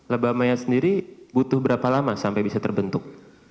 lebah maya sendiri butuh berapa lama sampai bisa terbentuk